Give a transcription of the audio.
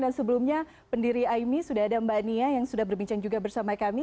dan sebelumnya pendiri aimi sudah ada mbak nia yang sudah berbincang juga bersama kami